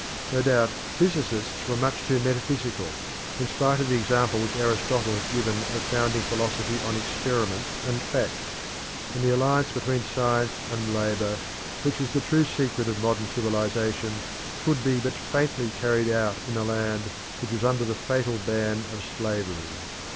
No doubt physics were much too metaphysical, in spite of the example which Aristotle had given of founding philosophy on experiment and fact; and the alliance between science and labour, which is the true secret of modern civilisation, could be but faintly carried out in a land which was under the fatal ban of slavery.